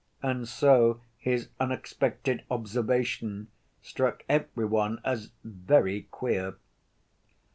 And so his unexpected observation struck every one as very queer.